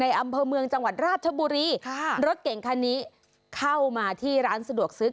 อำเภอเมืองจังหวัดราชบุรีค่ะรถเก่งคันนี้เข้ามาที่ร้านสะดวกซื้อ